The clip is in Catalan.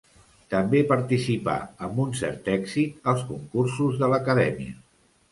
També participà amb un cert èxit als concursos de l'Acadèmia.